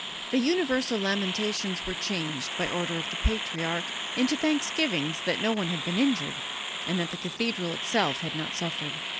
The universal lamentations were changed, by order of the patriarch, into thanksgivings that no one had been injured, and that the cathedral itself had not suffered.